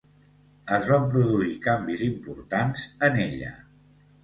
Es van produir canvis importants en ella.